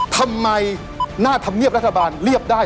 ทำไมหน้าธรรมเนียบรัฐบาลเรียบได้